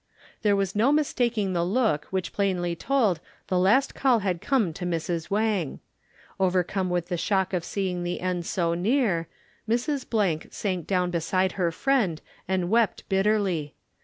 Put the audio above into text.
There was no mistaking the look which plainly told the last call had come to Mrs. Wang. Overcome with the shock of seeing the end so near, Mrs. —— sank down beside her friend and wept bitterly.